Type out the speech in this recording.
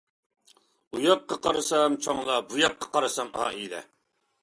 ئۇياققا قارىسام چوڭلار، بۇياققا قارىسام ئائىلە.